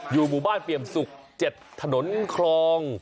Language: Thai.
อยู่บุบ้านเปรียมสุข๗ถนนครอง